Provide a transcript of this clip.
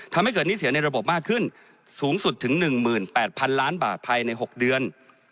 ทำให้เกิดหนี้เสียในระบบมากขึ้นสูงสุดถึง๑๘๐๐๐ล้านบาทภายใน๖เดือน